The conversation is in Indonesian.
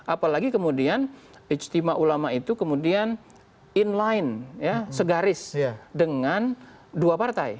apalagi kemudian istimewa ulama itu kemudian in line segaris dengan dua partai